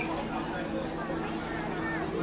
สวัสดีครับ